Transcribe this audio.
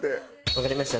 わかりました。